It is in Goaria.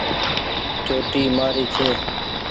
چوٽي مآري ڇي۔